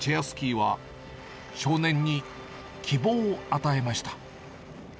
スキーは、少年に希望を与えました。